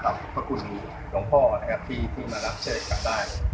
ก็ขอบคุณนะครับในห้างเธอมีชัยแล้วก็ขอบคุณลงพ่อนะครับที่มารับเชิดกลับบ้าน